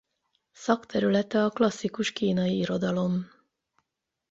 Szakterülete a klasszikus kínai irodalom.